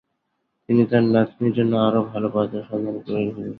তিনি তার নাতনীর জন্য আরও ভালো পাত্রের সন্ধান করছিলেন।